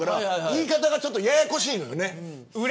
言い方がちょっとややこしいのよね。